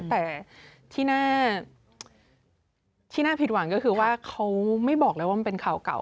แต่ที่น่าผิดหวังก็คือว่าเขาไม่บอกเลยว่ามันเป็นข่าวเก่า